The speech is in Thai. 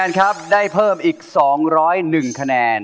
จ้าวรอคอย